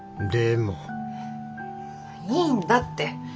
いいんだって。